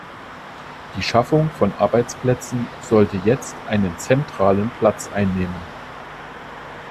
Die Schaffung von Arbeitsplätzen sollte jetzt einen zentralen Platz einnehmen.